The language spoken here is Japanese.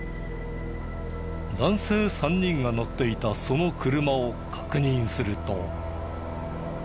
男性３人が乗っていたその車を確認すると。